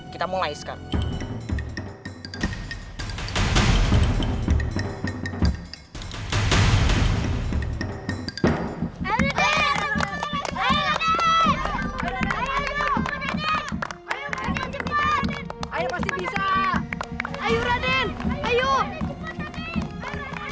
kita mulai sekarang